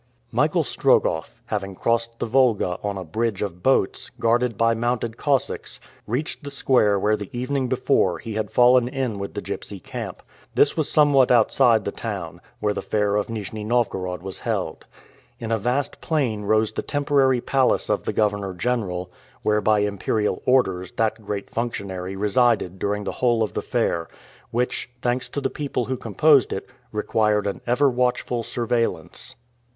Michael Strogoff, having crossed the Volga on a bridge of boats, guarded by mounted Cossacks, reached the square where the evening before he had fallen in with the gipsy camp. This was somewhat outside the town, where the fair of Nijni Novgorod was held. In a vast plain rose the temporary palace of the governor general, where by imperial orders that great functionary resided during the whole of the fair, which, thanks to the people who composed it, required an ever watchful surveillance.